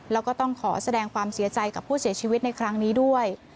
แล้วก็ต้องขอแสดงความเสียใจกับผู้เสียชีวิตในครั้งนี้ด้วย